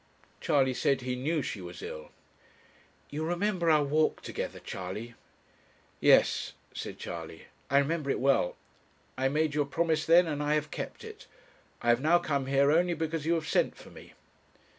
Charley said he knew she was ill. 'You remember our walk together, Charley.' 'Yes,' said Charley, 'I remember it well. I made you a promise then, and I have kept it. I have now come here only because you have sent for me.'